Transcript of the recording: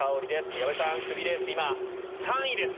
矢部さん、クビレース今３位です。